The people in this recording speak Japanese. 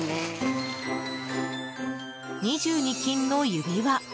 ２２Ｋの指輪。